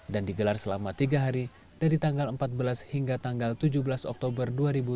dan digelar selama tiga hari dari tanggal empat belas hingga tanggal tujuh belas oktober dua ribu tujuh belas